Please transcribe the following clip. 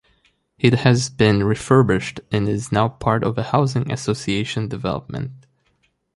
It has been refurbished and is now part of a housing association development.